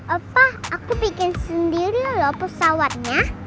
apa aku bikin sendiri loh pesawatnya